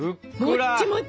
もっちもち！